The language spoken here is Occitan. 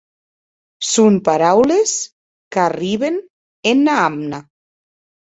Son paraules qu'arriben ena amna.